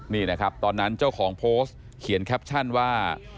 นี่นะครับตอนนั้นเจ้าของโพสต์เขียนแคปชั่นว่า